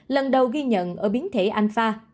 lần đầu ghi nhận ở biến thể alpha